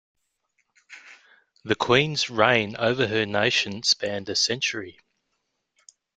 The queen’s reign over her nation spanned a century.